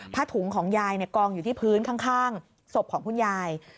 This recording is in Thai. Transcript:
ถุงของยายกองอยู่ที่พื้นข้างศพของคุณยาย